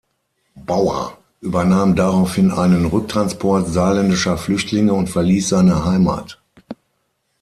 Bauer übernahm daraufhin einen Rücktransport saarländischer Flüchtlinge und verließ seine Heimat.